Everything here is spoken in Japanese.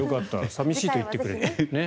寂しいと言ってくれて。